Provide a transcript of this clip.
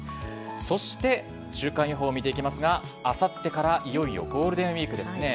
そして週間予報を見ていきますがあさってからいよいよゴールデンウィークです。